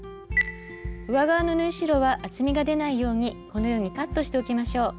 上側の縫い代は厚みが出ないようにこのようにカットしておきましょう。